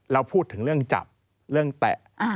เราพูดถึงเรื่องจับเรื่องแตะ